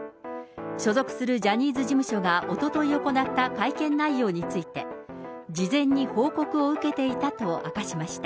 所属するジャニーズ事務所がおととい行った会見内容について、事前に報告を受けていたと明かしました。